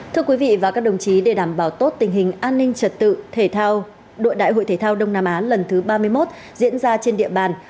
thưa quý vị và các đồng chí để đảm bảo tốt tình hình an ninh trật tự thể thao đội đại hội thể thao đông nam á lần thứ ba mươi một diễn ra trên địa bàn